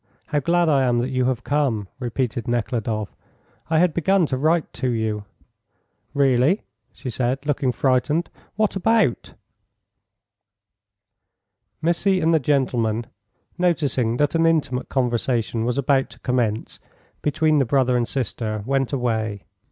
How glad I am that you have come," repeated Nekhludoff. "I had begun to write to you." "Really?" she said, looking frightened. "What about?" Missy and the gentleman, noticing that an intimate conversation was about to commence between the brother and sister, went away.